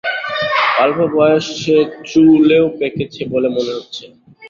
অল্প বয়সে চুলও পেঁকেছে বলে মনে হচ্ছে।